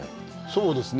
そうですね。